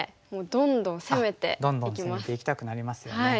どんどん攻めていきたくなりますよね。